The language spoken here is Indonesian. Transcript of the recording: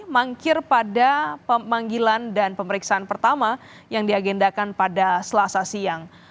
mangkir pada pemanggilan dan pemeriksaan pertama yang diagendakan pada selasa siang